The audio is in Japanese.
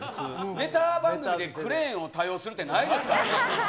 ネタ番組でクレーンを多用するってないですからね。